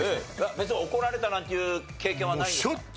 別に怒られたなんていう経験はないんですか？